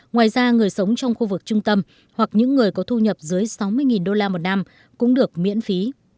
ngoài ra người sống trong khu vực trung tâm hoặc những người có thu nhập dưới sáu mươi đô la một năm cũng được miễn phí